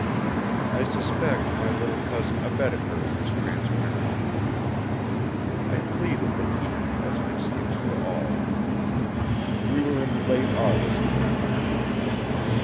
I suspect my little cousin abetted her in this transparent ruse. I pleaded the heat as an excuse for all. We were in late August now.